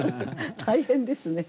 大変ですね。